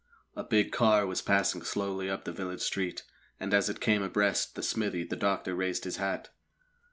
A big car was passing slowly up the village street, and as it came abreast the smithy the doctor raised his hat.